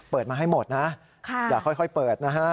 เปิดมาให้หมดนะอย่าค่อยเปิดนะฮะ